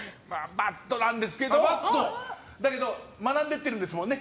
バッドなんですけどだけど学んでってるんですもんね。